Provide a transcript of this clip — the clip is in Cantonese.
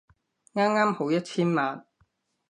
啱啱好一千萬